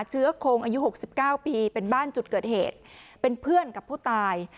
เชื้อโคงอายุ๖๙ปีเป็นบ้านจุดเกิดเหตุเป็นเพื่อนกับผู้ตาย